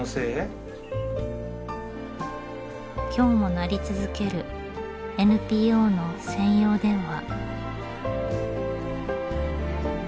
今日も鳴り続けるＮＰＯの専用電話。